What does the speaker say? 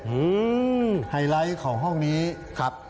อืมไฮไลท์ของห้องนี้ครับ